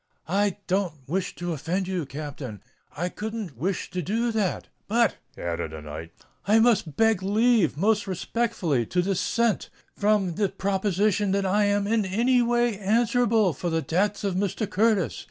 "I don't wish to offend you, Captain—I couldn't wish to do that; but," added the knight, "I must beg leave most respectfully to dissent from the proposition that I am in any way answerable for the debts of Mr. Curtis.